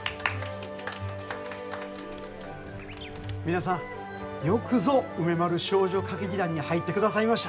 皆さんよくぞ梅丸少女歌劇団に入ってくださいました。